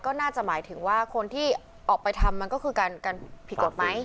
ก็น่าจะหมายถึงว่าคนที่ออกไปทำมันก็คือการผิดกฎหมาย